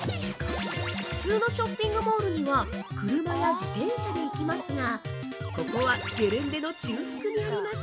普通のショッピングモールには車や自転車で行きますがここはゲレンデの中腹にあります。